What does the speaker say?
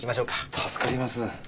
助かります。